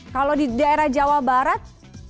kalau di daerah jawa barat